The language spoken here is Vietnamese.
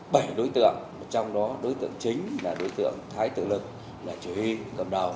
bảy đối tượng trong đó đối tượng chính là đối tượng thái tự lực là chủ huy cầm đầu